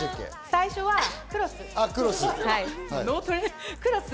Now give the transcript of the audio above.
最初はクロス。